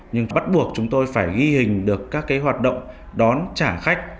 nhưng bắt buộc chúng tôi phải ghi hình được các hoạt động đón trả khách